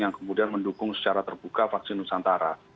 yang kemudian mendukung secara terbuka vaksin nusantara